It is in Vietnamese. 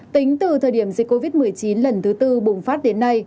tính từ thời điểm dịch covid một mươi chín lần thứ tư bùng phát đến nay